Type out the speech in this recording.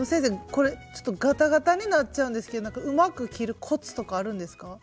これちょっとガタガタになっちゃうんですけどうまく切るコツとかあるんですか？